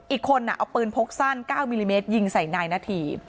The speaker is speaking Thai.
อีกคนเอาปืนพกสั้น๙มิลลิเมตรยิงใส่นายนาธี